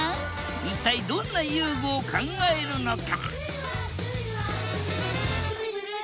一体どんな遊具を考えるのか？